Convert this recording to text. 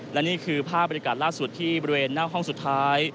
และนี่คือภาพบรรยากาศล่าสุดที่บริเวณหน้าห้องสุดท้าย